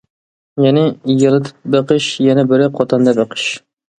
يەنى: يايلىتىپ بېقىش، يەنە بىرى قوتاندا بېقىش.